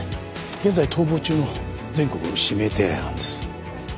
現在逃亡中の全国指名手配犯です。